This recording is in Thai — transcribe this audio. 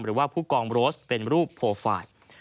หรือว่าผู้กองโรสเป็นรูปโปรไฟล์